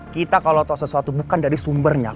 kita kalo tau sesuatu bukan dari sumbernya